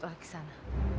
maksudnya ke sana